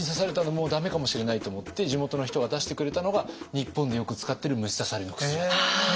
もう駄目かもしれないと思って地元の人が出してくれたのが日本でよく使ってる虫刺されの薬。